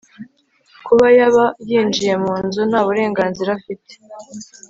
kuba yaba yinjiye munzu ntaburenganzira afite